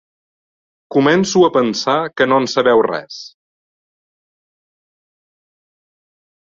Començo a pensar que no en sabeu res.